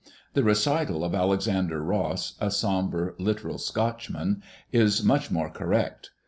The recital of Alex ander Ross, a somber, literal Scotchman, is much more correct.